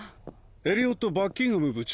エリオット・バッキンガム部長。